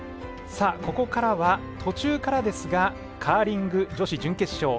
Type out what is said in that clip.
ここからは、途中からですがカーリング、女子準決勝。